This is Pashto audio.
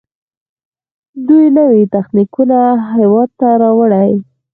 دوی نوي تخنیکونه هیواد ته راوړي.